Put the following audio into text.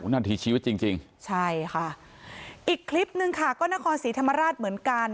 นั่นที่ชี้ว่าจริงค่ะอีกคลิปนึงค่ะก็นครสีธรรมราชเหมือนกัน